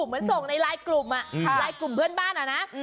เหมือนส่งในไลน์กลุ่มไลน์กลุ่มเพื่อนบ้านอะนะ